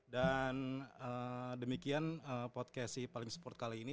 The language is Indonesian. dan demikian podcast si paling sport kali ini